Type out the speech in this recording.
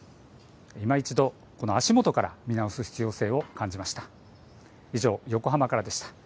いま一度、足元から見直す必要性を感じます。